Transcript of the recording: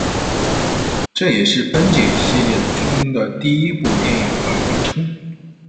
这也是“ Benji” 系列中的第一部电影的名称。